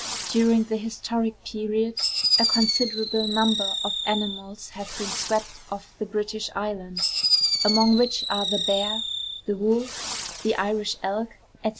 During the historic period a considerable number of animals have been swept off the British Islands, among which are the bear, the wolf, the Irish elk, &c.